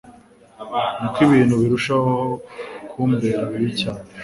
niko ibintu birushaho kumbera bibi cyane